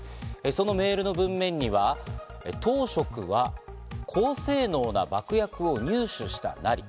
そのメールの文面には当職は高性能な爆薬を入手したナリ。